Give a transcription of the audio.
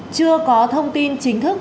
chưa có thông tin chính thức